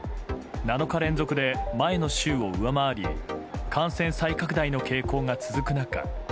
７日連続で前の週を上回り感染再拡大の傾向が続く中